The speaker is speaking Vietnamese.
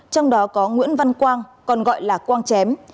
trong đó có nguyễn văn quang còn gọi là quang chém